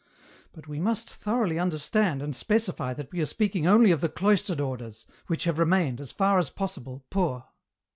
But we must thoroughly understand and specify that we are speaking only of the cloistered orders, which have remained, as far as possible, poor